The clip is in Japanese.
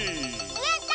やった！